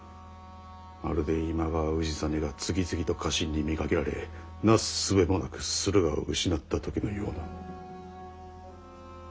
まるで今川氏真が次々と家臣に見限られなすすべもなく駿河を失った時のような。